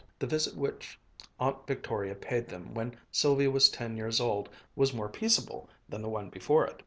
The visit which Aunt Victoria paid them when Sylvia was ten years old was more peaceable than the one before it.